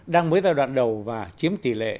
đang mới ra đoạn đầu và chiếm tỷ lệ